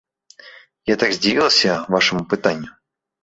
Я так здзівілася вашаму пытанню!